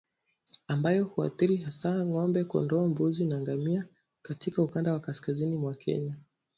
ambayo huathiri hasa ng'ombe kondoo mbuzi na ngamia katika ukanda wa kaskazini mwa Kenya